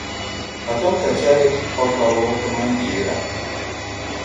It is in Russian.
Потом качали полкового командира.